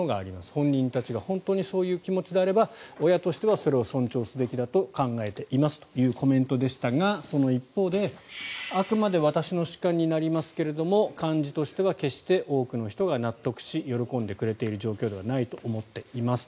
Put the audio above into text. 本人たちが本当にそういう気持ちであれば親としてはそれを尊重すべきだと考えていますというコメントでしたがその一方であくまで私の主観になりますが感じとしては決して多くの人が納得して喜んでくれている状況ではないと思います。